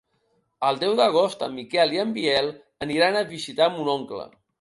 El deu d'agost en Miquel i en Biel aniran a visitar mon oncle.